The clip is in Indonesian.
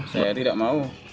saya tidak mau